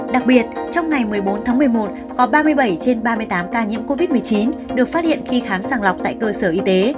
đặc biệt trong ngày một mươi bốn tháng một mươi một có ba mươi bảy trên ba mươi tám ca nhiễm covid một mươi chín được phát hiện khi khám sàng lọc tại cơ sở y tế